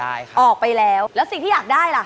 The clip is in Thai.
ออกไปแล้วแล้วสิ่งที่อยากได้ล่ะ